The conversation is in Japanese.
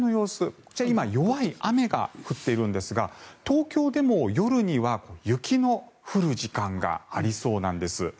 こちら、今弱い雨が降っているんですが東京でも夜には雪の降る時間がありそうなんです。